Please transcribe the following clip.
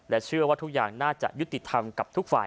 เชื่อว่าทุกอย่างน่าจะยุติธรรมกับทุกฝ่าย